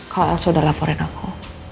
kalau elsa udah laporin aku